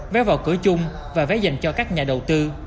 vé vào cửa chung và vé dành cho các nhà đầu tư